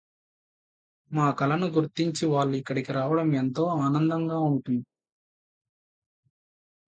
మా కళను గుర్తించి వాళ్ళు ఇక్కడికి రావడం ఎంతో ఆనందంగా ఉంటుంది.